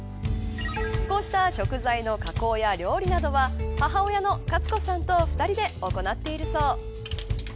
こうした食材の加工や料理などは母親のカツ子さんと２人で行っているそう。